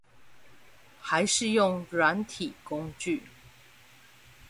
還是用軟體工具